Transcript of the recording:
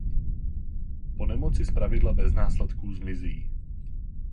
Po nemoci zpravidla bez následků zmizí.